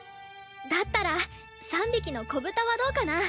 だったら「３びきのこぶた」はどうかな？